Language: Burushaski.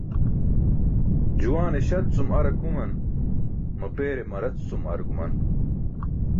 Juwaane śat cum ar akuman, mapeere marac cum ar guman.